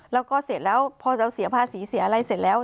แล้วก็เสร็จแล้วพอจะเสียภาษีเสียอะไรเสร็จแล้ว